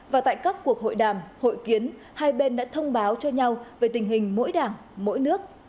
và tại các cuộc hội đàm hội kiến hai bên đã thông báo cho nhau về tình hình mỗi đảng mỗi nước